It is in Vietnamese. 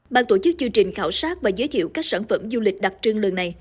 bàn tổ chức chương trình khảo sát và giới thiệu các sản phẩm du lịch đặc trưng lường này